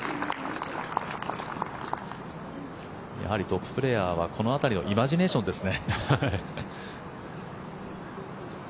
やはりトッププレーヤーはこの辺りのイマジネーションですね。